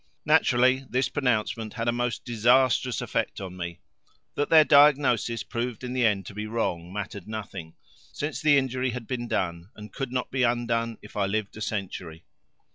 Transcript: Naturally this pronouncement had a most disastrous effect on me. That their diagnosis proved in the end to be wrong mattered nothing, since the injury had been done and could not be undone if I lived a century.